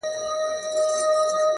د نورو بریا ستایل سترتوب دی.